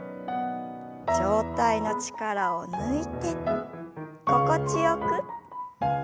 上体の力を抜いて心地よく。